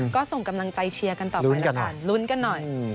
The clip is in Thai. ก็ส่งกำลังใจเชียร์กันต่อไปละกันลุ้นกันหน่อย